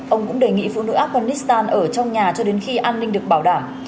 ông cũng đề nghị phụ nữ afghanistan ở trong nhà cho đến khi an ninh được bảo đảm